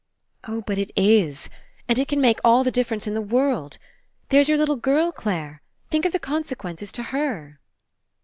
"Oh, but it is. And it can make all the difference in the world. There's your little girl, Clare. Think of the consequences to her."